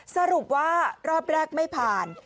สรุปว่ารอบแรกไม่ผ่าน